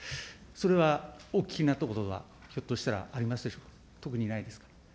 それはお聞きになったことは、ひょっとしたらありますでしょうか、特にないですか。